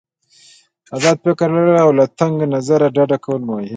آزاد فکر لرل او له تنګ نظري ډډه کول مهم دي.